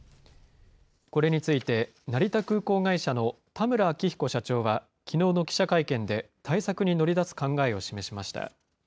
これについて、成田空港会社の田村明比古社長はきのうの記者会見で、対策に乗り出す考えを示しました。